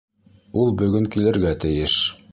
Ул бөгөн килергә тейеш.